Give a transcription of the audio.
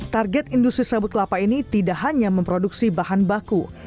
target industri sabut kelapa ini tidak hanya memproduksi bahan baku